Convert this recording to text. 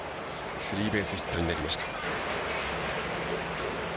スリーベースヒットになりました。